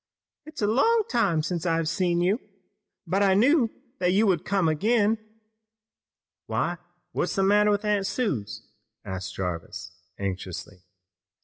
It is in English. It is a long time since I've seen you, but I knew that you would come again!" "Why, what's the matter, Aunt Suse?" asked Jarvis anxiously.